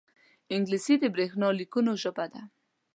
انګلیسي د برېښنا لیکونو ژبه ده